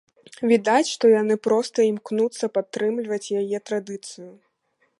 Відаць, што яны проста імкнуцца падтрымліваць яе традыцыю.